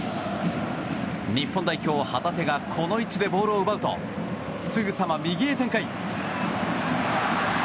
日本代表、旗手がこの位置でボールを奪うとすぐさま右へ展開。